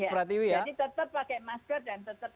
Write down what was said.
jadi tetap pakai masker dan tetap pakai face shield